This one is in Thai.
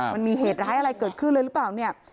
มันมีเหตุร้ายอะไรเกิดขึ้นเลยหรือเปล่าเนี่ย